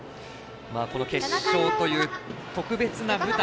この決勝という特別な舞台